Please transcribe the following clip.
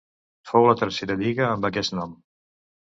Fou la tercera lliga amb aquest nom.